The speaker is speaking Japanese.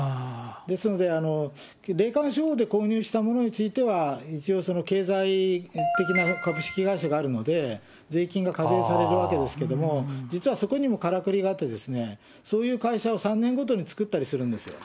ですので、霊感商法で購入したものについては、一応、経済的な株式会社があるので、税金が課税されるわけですけれども、実はそこにもからくりがあって、そういう会社を３年ごとに作ったりするんですよ。